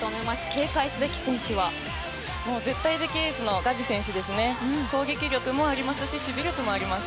警戒すべき選手は絶対的エースのガビ選手です攻撃力もありますし守備力もあります。